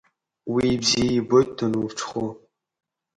Уи бзиа ибоит данурҽхәо…